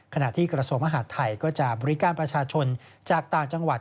ขณะที่กระทรวงมหาดไทยก็จะบริการประชาชนจากต่างจังหวัด